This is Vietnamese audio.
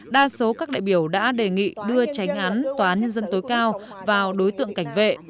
đa số các đại biểu đã đề nghị đưa tránh án toán nhân tối cao vào đối tượng cảnh vệ